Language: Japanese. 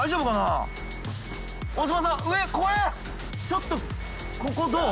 ちょっとここどう？